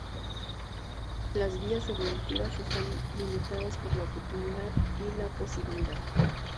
Las vías evolutivas están limitadas por la oportunidad y la posibilidad.